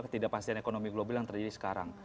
ketidakpastian ekonomi global yang terjadi sekarang